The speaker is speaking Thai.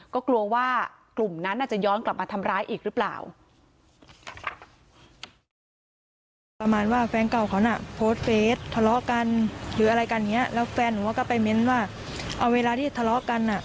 ก็กลัวว่ากลุ่มนั้นอาจจะย้อนกลับมาทำร้ายอีกหรือเปล่า